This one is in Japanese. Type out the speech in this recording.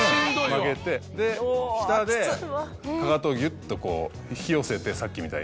曲げて下でかかとをギュっと引き寄せてさっきみたいに。